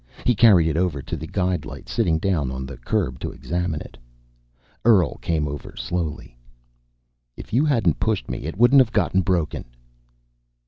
He carried it over to the guide light, sitting down on the curb to examine it. Earl came slowly over. "If you hadn't pushed me it wouldn't have got broken."